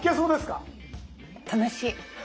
楽しい。